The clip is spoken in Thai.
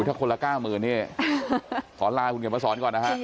ถ้าคนละ๙๐๐๐๐บาทขอลาคุณกันมาสอนก่อนนะฮะ